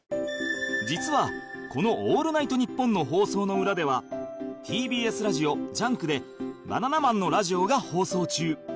実はこの『オールナイトニッポン』の放送の裏では ＴＢＳ ラジオ『ＪＵＮＫ』でバナナマンのラジオが放送中